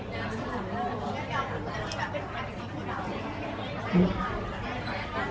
แต่ครับว่ามันก็อาจจะเสียหายที่เสีย